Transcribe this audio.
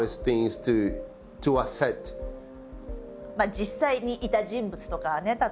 実際にいた人物とかね例えば。